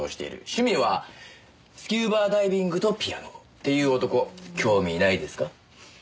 趣味はスキューバダイビングとピアノっていう男興味ないですか？